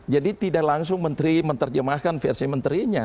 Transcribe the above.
jadi tidak langsung menteri menerjemahkan versi menterinya